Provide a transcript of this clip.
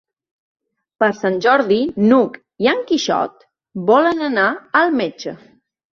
Per Sant Jordi n'Hug i en Quixot volen anar al metge.